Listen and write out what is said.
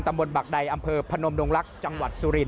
ตำบลบักไดอำเภอพนมดงรักจังหวัดสุริน